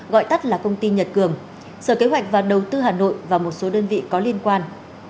gọi tắt là công ty nhật cường sở kế hoạch và đầu tư hà nội và một số đơn vị có liên quan